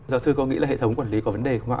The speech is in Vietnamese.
giáo sư có nghĩ là hệ thống quản lý có vấn đề không ạ